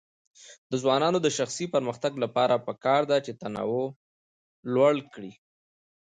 د ځوانانو د شخصي پرمختګ لپاره پکار ده چې تنوع لوړ کړي.